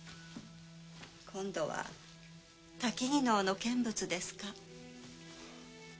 今度は薪能の見物ですか？